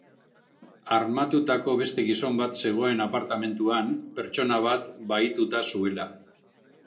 Armatutako beste gizon bat zegoen apartamentuan pertsona bat bahituta zuela.